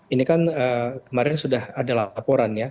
ini kan kemarin sudah ada laporan ya